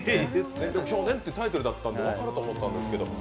「全力少年」ってタイトルだったんで分かると思ったんですが。